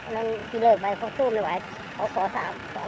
เรื่องโต๊ะบอดมี๒โต๊ะ